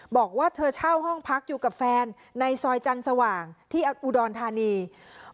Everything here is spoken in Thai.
บอกว่าเธอเช่าห้องพักอยู่กับแฟนในซอยจันทร์สว่างที่อุดรธานี